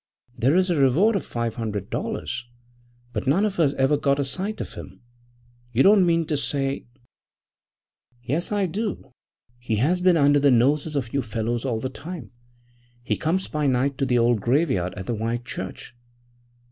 There is a reward of five hundred dollars, but none of us ever got a sight of him. You don't mean to say ' 'Yes, I do. He has been under the noses of you fellows all the time. He comes by night to the old graveyard at the White Church.'